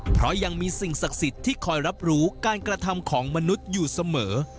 เพราะยังมีสิ่งศักดิ์สิทธิ์ที่คอยรับรู้การกระทำของมนุษย์อยู่เสมอ